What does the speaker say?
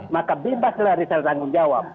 maka bebas dari selangung jawab